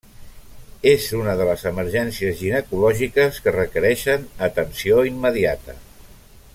És una de les emergències ginecològiques que requereixen atenció immediata.